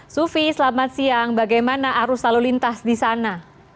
sufi selamat siang bagaimana arus lalu lintas di sana